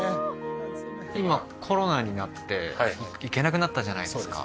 今コロナになって行けなくなったじゃないですか